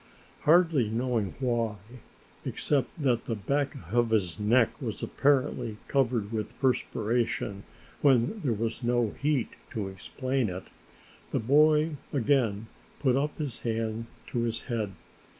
Hardly knowing why, except that the back of his neck was apparently covered with perspiration when there was no heat to explain it, the boy again put up his hand to his head.